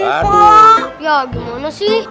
ya gimana sih